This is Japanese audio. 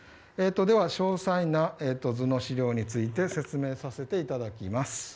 詳細な図の資料について説明させていただきます。